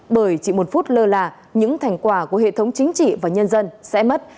bởi chỉ một phút lơ là những thành quả của hệ thống chính trị và nhân dân sẽ mất